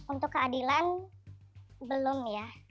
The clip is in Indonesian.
untuk keadilan belum ya